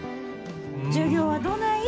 授業はどない？